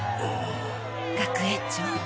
学園長。